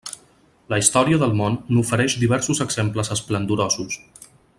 La història del món n'ofereix diversos exemples esplendorosos.